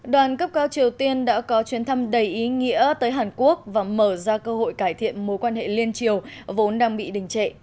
đoàn cấp cao triều tiên đã có chuyến thăm đầy ý nghĩa tới hàn quốc và mở ra cơ hội cải thiện mối quan hệ liên triều vốn đang bị đình trệ